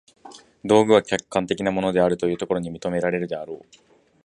道具は客観的なものであるというところに認められるであろう。